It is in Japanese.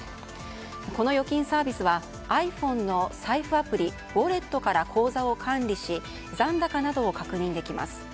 この預金サービスはｉＰｈｏｎｅの財布アプリ「ウォレット」から口座を管理し残高などを確認できます。